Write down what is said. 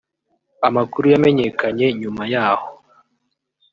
Amakuru yamenyekanye nyuma yaho